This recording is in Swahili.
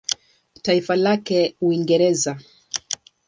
Taifa lake Uingereza.